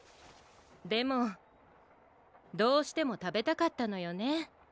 でもどうしてもたべたかったのよね。